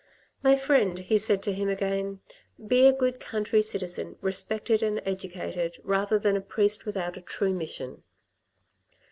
" My friend," he said to him again, " be a good country citizen, respected and educated, rather than a priest without a true mission."